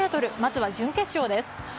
まずは準決勝です。